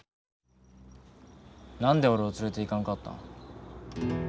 なんで俺を連れて行かんかったん。